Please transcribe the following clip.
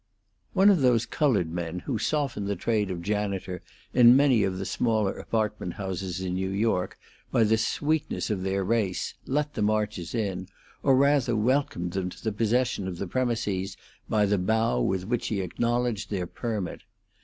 One of those colored men who soften the trade of janitor in many of the smaller apartment houses in New York by the sweetness of their race let the Marches in, or, rather, welcomed them to the possession of the premises by the bow with which he acknowledged their permit.